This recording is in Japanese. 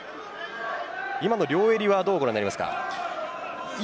今の両襟はどうご覧になりますか。